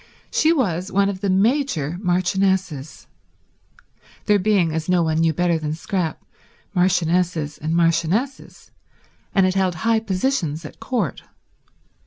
She was one of the major marchionesses—there being, as no one knew better than Scrap, marchionesses and marchionesses—and had held high positions at Court.